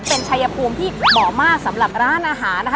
เป็นชายภูมิที่เหมาะมากสำหรับร้านอาหารนะคะ